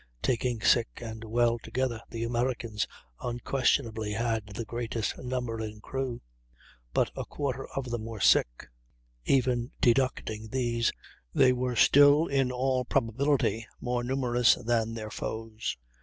Taking sick and well together, the Americans unquestionably had the greatest number in crew; but a quarter of them were sick. Even deducting these they were still, in all probability, more numerous than their foes.